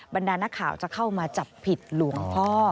บรรดานักข่าวจะเข้ามาจับผิดหลวงพ่อ